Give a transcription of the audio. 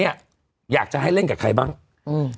นี่แต่ไปดูว่าคุณเอกขวัญกลับช่องเจ็ด